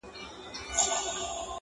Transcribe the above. ښکلا پر سپینه غاړه -